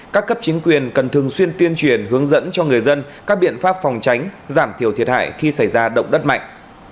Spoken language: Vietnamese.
các cấp chính quyền cần thường xuyên tuyên truyền hướng dẫn cho người dân các biện pháp phòng tránh giảm thiểu thiệt hại khi xảy ra động đất mạnh